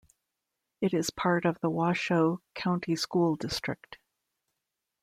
It is part of the Washoe County School District.